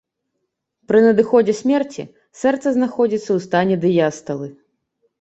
Пры надыходзе смерці сэрца знаходзіцца ў стане дыясталы.